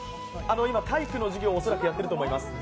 今、体育の授業を恐らくやっていると思います。